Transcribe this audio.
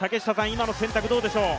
今の選択、どうでしょう？